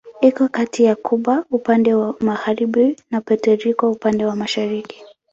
Iko kati ya Kuba upande wa magharibi na Puerto Rico upande wa mashariki.